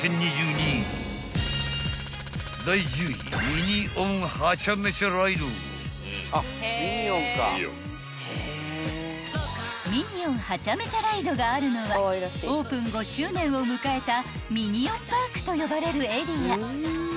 ［ミニオン・ハチャメチャ・ライドがあるのはオープン５周年を迎えたミニオン・パークと呼ばれるエリア］